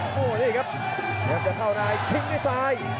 โอ้โหนี่ครับเดี๋ยวเข้าได้ทิ้งด้วยซ้าย